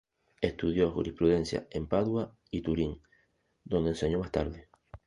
Estudió jurisprudencia en Padua y Turín, donde enseñó más tarde.